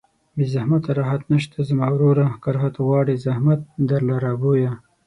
بې زحمته راحت نشته زما وروره که راحت غواړې زحمت در لره بویه